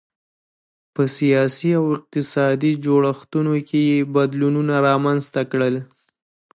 په سیاسي او اقتصادي جوړښتونو کې یې بدلونونه رامنځته کړل.